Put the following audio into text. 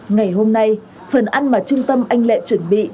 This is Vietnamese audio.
ngày hôm nay phần ăn mà trung tâm anh lệ chuẩn bị